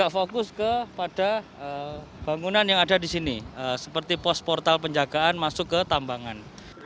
pembangunan yang ada di sini seperti pos portal penjagaan masuk ke tambangan